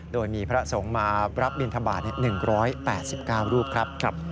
โดยมีพระสงฆ์มารับบินทบาท๑๘๙รูปครับ